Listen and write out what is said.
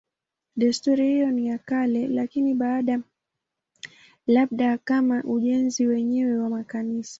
Desturi hiyo ni ya kale, labda kama ujenzi wenyewe wa makanisa.